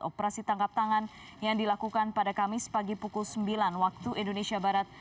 operasi tangkap tangan yang dilakukan pada kamis pagi pukul sembilan waktu indonesia barat